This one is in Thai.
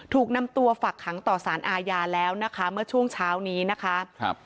ถูกนำตัวฝักขังต่อสารอาญาแล้วนะคะเมื่อช่วงเช้านี้นะคะครับ